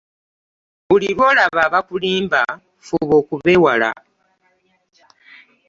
Buli lw'olaba abakulimba fuba okubeewala.